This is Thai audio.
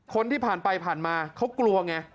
คนที่ผ่านไปผ่านมาเขากลัวไง